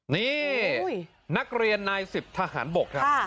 นี่นักเรียนนายสิบทหารบก